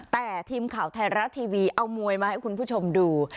แต่ทีมข่าวไทยรัฐทีวีเอามวยมาให้คุณผู้ชมดู